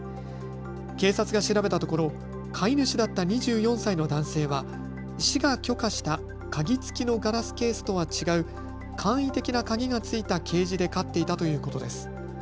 警察が調べたところ、飼い主だった２４歳の男性は市が許可した鍵つきのガラスケースとは違う簡易的な鍵がついたケージで飼っていたということです。